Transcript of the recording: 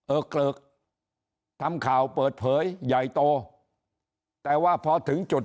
เกลิกทำข่าวเปิดเผยใหญ่โตแต่ว่าพอถึงจุด